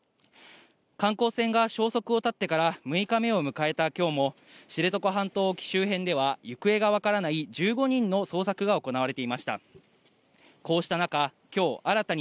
観光船が消息を絶ってから６日目を迎えたきょうも、知床半島沖周辺では行方が分からない１５人の捜索が行われていました。